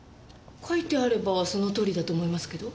書いてあればそのとおりだと思いますけど。